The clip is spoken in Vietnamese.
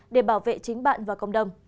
để bảo vệ chính bạn và cộng đồng